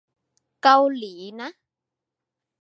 เกาหลีนะ